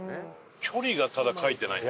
距離がただ書いてない。